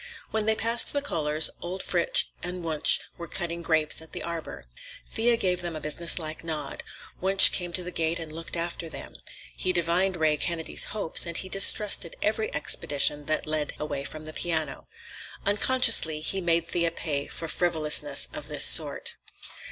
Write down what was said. When they passed the Kohlers', old Fritz and Wunsch were cutting grapes at the arbor. Thea gave them a businesslike nod. Wunsch came to the gate and looked after them. He divined Ray Kennedy's hopes, and he distrusted every expedition that led away from the piano. Unconsciously he made Thea pay for frivolousness of this sort.